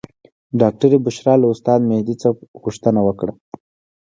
ډاکټرې بشرا له استاد مهدي نه غوښتنه وکړه.